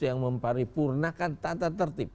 yang memparipurnakan tata tertib